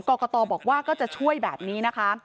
กรกตบอกว่าก็จะช่วยแบบนี้นะคะ